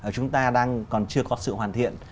chúng ta đang còn chưa có sự hoàn thiện